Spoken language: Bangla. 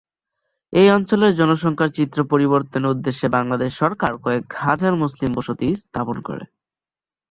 এই অঞ্চলের জনসংখ্যার চিত্র পরিবর্তনের উদ্দেশ্যে বাংলাদেশ সরকার কয়েক হাজার মুসলিম বসতি স্থাপন করে।